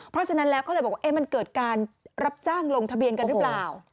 เพราะฉะนั้นแล้วก็เลยบอกว่ามันเกิดการรับจ้างลงทะเบียนกันหรือเปล่า